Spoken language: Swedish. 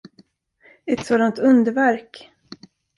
Ett sådant underverk!